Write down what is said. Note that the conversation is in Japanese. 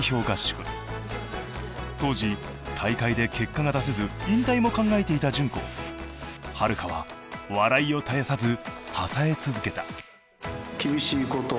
当時大会で結果が出せず引退も考えていた順子を悠は笑いを絶やさず支え続けた。